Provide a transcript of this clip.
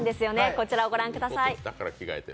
こちらをご覧ください。